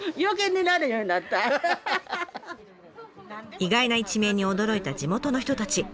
意外な一面に驚いた地元の人たち。